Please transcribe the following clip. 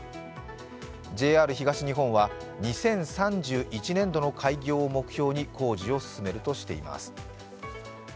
ＪＲ東日本は２０３１年度の開業を目標に工事を進めるとしています。